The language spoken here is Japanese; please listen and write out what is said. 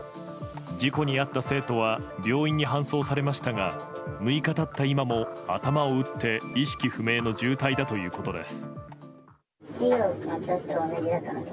事故に遭った生徒は病院に搬送されましたが６日経った今も頭を打って意識不明の重体だということです。